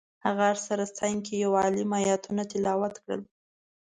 غار سره څنګ کې یو عالم ایتونه تلاوت کړل.